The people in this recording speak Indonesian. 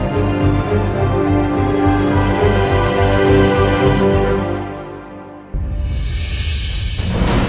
kita mau berang andien andien andien andien pas pas berhenti mas ada karavao